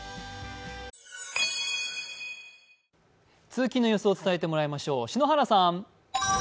通勤の様子を伝えてもらいましょう。